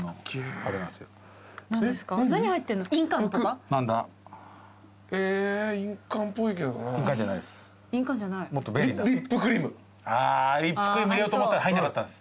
あリップクリーム入れようと思ったら入んなかったんです。